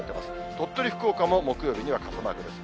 鳥取、福岡も木曜日には傘マークです。